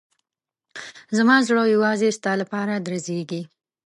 زما زړه یوازې ستا لپاره درزېږي.